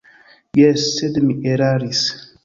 Jes, sed mi eraris.